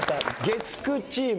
月９チーム。